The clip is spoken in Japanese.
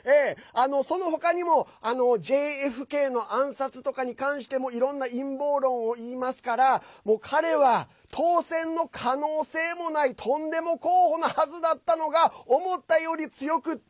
その他にもＪＦＫの暗殺とかに関してもいろんな陰謀論を言いますからもう、彼は当選の可能性もないトンデモ候補なはずだったのが思ったより強くて。